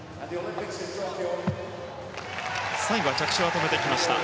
最後の着地は止めてきました。